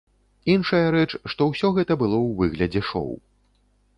Іншая рэч, што ўсё гэта было ў выглядзе шоу.